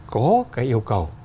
có cái yêu cầu